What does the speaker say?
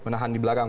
menahan di belakang